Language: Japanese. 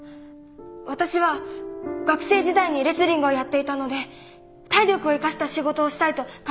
私は学生時代にレスリングをやっていたので体力を生かした仕事をしたいと考えていました。